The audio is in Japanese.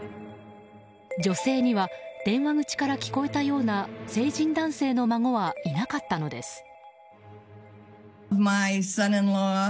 女性には電話口から聞こえたような成人男性の孫はいなかったのです。